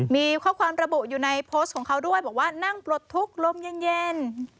มีข้อความระบุอยู่ในโพสต์ของเขาด้วยบอกว่านั่งปลดทุกข์ลมเย็น